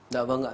dạ vâng ạ